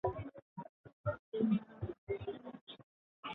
Dena den, astero berritu dute iragarpena.